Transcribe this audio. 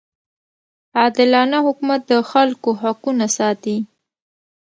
عادلانه حکومت د خلکو حقونه ساتي.